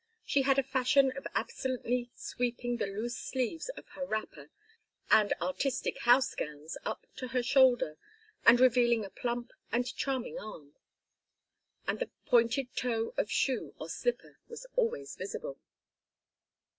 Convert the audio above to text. She had a fashion of absently sweeping the loose sleeves of her wrapper and "artistic" house gowns up to her shoulder and revealing a plump and charming arm; and the pointed toe of shoe or slipper was always visible.